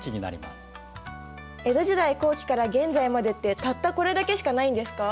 江戸時代後期から現在までってたったこれだけしかないんですか？